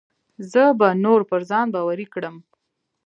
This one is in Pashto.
زه به نور پر ځان باوري کړم.